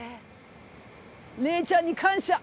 姉ちゃんに感謝。